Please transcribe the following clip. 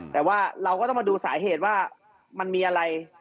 แต่ว่าเราก็ต้องมาดูสาเหตุว่ามันมีอะไร